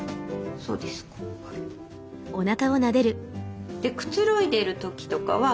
そうですか。